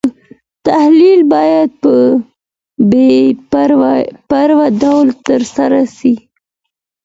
تحلیل باید په بې پرې ډول ترسره سي.